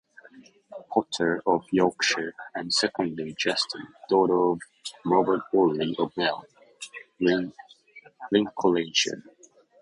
Potter of Yorkshire, and secondly Justin, daughter of Robert Wooley of Well, Lincolnshire.